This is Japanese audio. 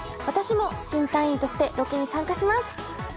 私も新隊員としてロケに参加します。